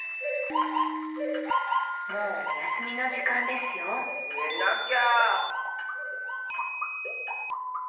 もうおやすみのじかんですよねなきゃ。